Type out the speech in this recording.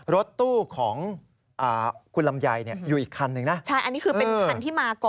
รถตู้ของคุณลำยายอยู่อีกคันนึงนะ